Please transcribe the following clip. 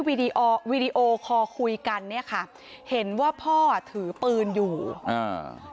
วีดีโอคอลคุยกันเนี้ยค่ะเห็นว่าพ่ออ่ะถือปืนอยู่อ่า